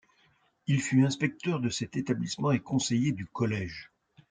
Il fut inspecteur de cet établissement et conseiller du collège.